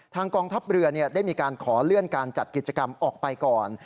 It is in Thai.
กองทัพเรือได้มีการขอเลื่อนการจัดกิจกรรมออกไปก่อน